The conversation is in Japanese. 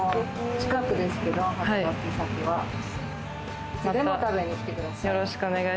近くですけど、いつでも食べに来てください。